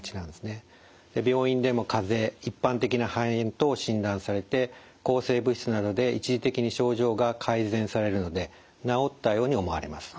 病院でもかぜ一般的な肺炎等診断されて抗生物質などで一時的に症状が改善されるので治ったように思われます。